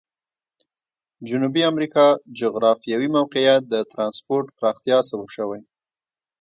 جنوبي امریکا جغرافیوي موقعیت د ترانسپورت پراختیا سبب شوی.